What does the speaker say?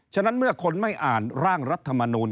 ฉะนั้นเมื่อคนไม่อ่านร่างรัฐมนูล